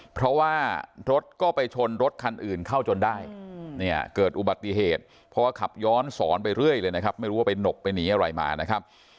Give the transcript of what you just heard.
เพราะว่ารถก็ไปชนรถคันอื่นเข้าจนได้เนี่ยเกิดอุบัติเหตุพอขับย้อนสอนไปเรื่อยเลยนะครับไม่รู้ว่าไปหนกไปหนีอะไรมานะครับ